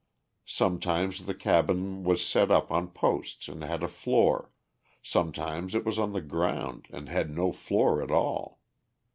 Sometimes the cabin was set up on posts and had a floor, sometimes it was on the ground and had no floor at all.